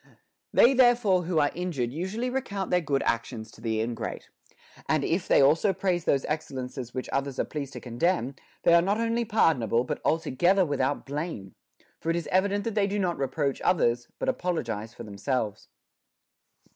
7. They therefore who are injured usually recount their good actions to the ingrate. And, if they also praise those excellences which others are pleased to condemn, they are not only pardonable but altogether without blame. For it is evident they do not reproach others, but apologize for themselves.